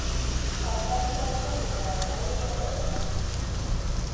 Fantasia hutsak dira, eta hori garbi daukagu.